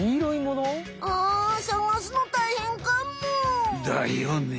あさがすのたいへんかも。だよね。